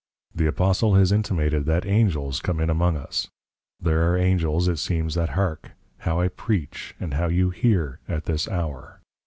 The Apostle has intimated, that Angels come in among us; there are Angels it seems that hark, how I Preach, and how you Hear, at this Hour.